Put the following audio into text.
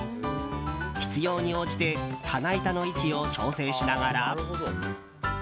必要に応じて棚板の位置を調整しながら。